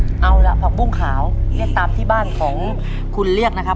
หนูไม่รู้ว่าชื่อมันอ่ะเอาล่ะผักบุ้งขาวเนี้ยตามที่บ้านของคุณเรียกนะครับ